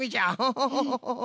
ホホホホ。